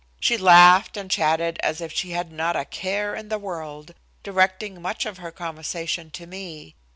She laughed and chatted as if she had not a care in the world, directing much of her conversation to me.